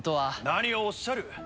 何をおっしゃる！